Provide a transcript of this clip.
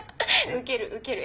ウケるウケる。